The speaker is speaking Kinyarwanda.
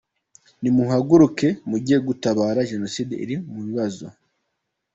Nimuhaguruke mujye gutabara jenoside iri mubibazo.